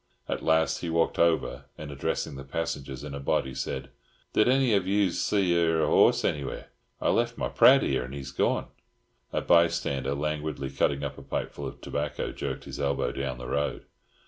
At last he walked over, and, addressing the passengers in a body, said, "Did any of you's see e'er a horse anywheres? I left my prad here, and he's gorn." A bystander, languidly cutting up a pipeful of tobacco, jerked his elbow down the road.